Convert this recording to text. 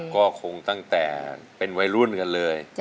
ก็คงตั้งแต่เป็นวัยรุ่นกันเลย